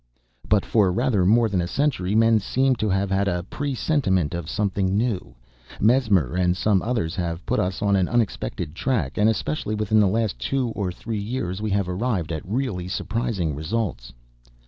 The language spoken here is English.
"But for rather more than a century, men seem to have had a presentiment of something new. Mesmer and some others have put us on an unexpected track, and especially within the last two or three years, we have arrived at really surprising results."